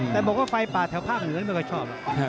แต่บอกว่าไฟป่าแถวภาคเหนือไม่ค่อยชอบ